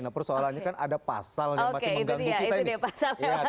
nah persoalannya kan ada pasal yang masih mengganggu kita ini